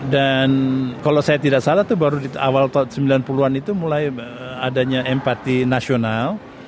dan kalau saya tidak salah itu baru di awal tahun sembilan puluh an itu mulai adanya empati nasional